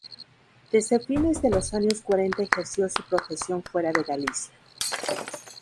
Desde fines de los años cuarenta ejerció su profesión fuera de Galicia.